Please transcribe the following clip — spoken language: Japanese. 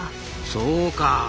そうかあ。